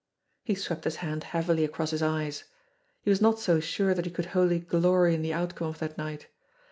He swept his hand heavily across his eyes. He was not so sure that he could wholly glory in the outcome of that night.